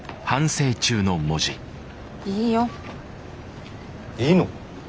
いいよ。いいの？